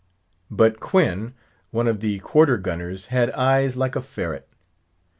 But Quoin, one of the quarter gunners, had eyes like a ferret.